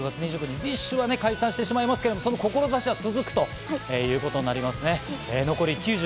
６月２９日にＢｉＳＨは解散してしまいますけれども、志は続くということになりますね。